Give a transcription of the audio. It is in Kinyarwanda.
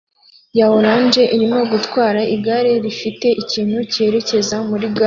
ya orange arimo gutwara igare rifite ikintu cyerekeza kuri gare